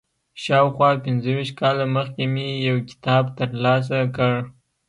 شاوخوا پنځه ویشت کاله مخکې مې یو کتاب تر لاسه کړ.